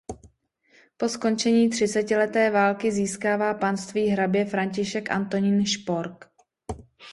Po skončení třicetileté války získává panství hrabě František Antonín Špork.